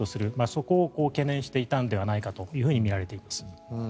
そこを懸念していたのではないかとみられています。